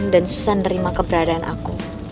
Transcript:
dan susah menerima keberadaan aku